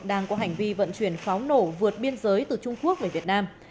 đang có hành vi vận chuyển pháo nổ vượt biên giới từ trung quốc về việt nam